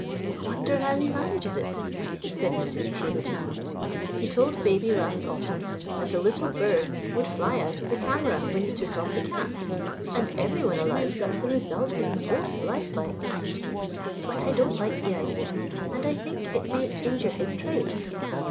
"I wonder how he manages it," said Mrs. Trewbody. "He told baby last autumn that a little bird would fly out of the camera when he took off the cap, and everyone allows that the result is most lifelike. But I don't like the idea, and I think it may injure his trade."